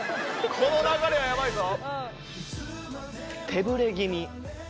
この流れはやばいぞ。